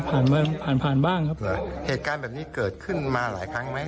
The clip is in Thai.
ผ่านมาผ่านผ่านบ้างครับเหรอเหตุการณ์แบบนี้เกิดขึ้นมาหลายครั้งไหม